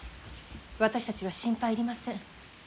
私たちは心配いりません。